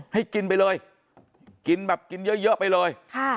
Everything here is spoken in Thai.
ให้กินไปเลยกินแบบกินเยอะไปเลย